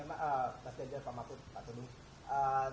mas ganjar pak mahfud pak teguh